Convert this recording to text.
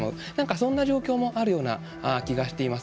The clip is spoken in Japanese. そんな状況もあるような気がしています。